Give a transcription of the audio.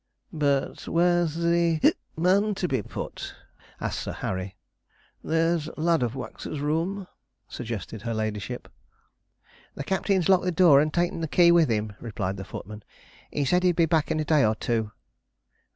'Well, but where's the man to be put?' asked Sir Harry. 'There's Ladofwax's room,' suggested her ladyship. 'The captain's locked the door and taken the key with him,' replied the footman; 'he said he'd be back in a day or two.'